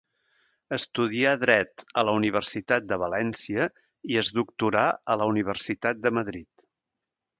Estudià dret a la Universitat de València i es doctorà a la Universitat de Madrid.